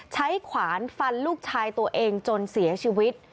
ขวานฟันลูกชายตัวเองจนเสียชีวิต